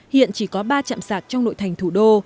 hiện chỉ có ba chạm sạc trong nội thành thủ đô